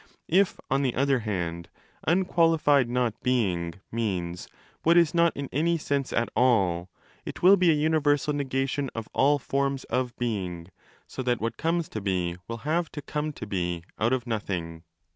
If, on the other hand, ' unqualified not being' means ' what is not in any sense at all', it will be a universal negation of all forms of being, so that what comes to be will have to come to be out of nothing.